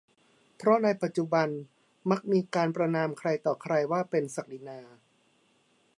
เพราะในปัจจุบันมักมีการประณามใครต่อใครว่าเป็นศักดินา